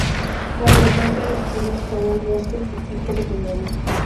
Con frecuencia los pinos forman bosques de tipo secundario.